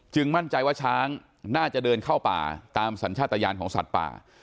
มั่นใจว่าช้างน่าจะเดินเข้าป่าตามสัญชาติยานของสัตว์ป่า